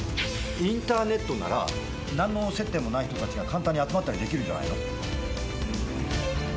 インターネットなら何の接点もない人たちが簡単に集まったりできるんじゃないの？